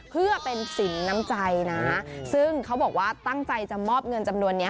เพื่อเป็นสินน้ำใจนะซึ่งเขาบอกว่าตั้งใจจะมอบเงินจำนวนนี้